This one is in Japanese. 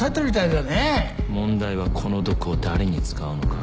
問題はこの毒を誰に使うのか。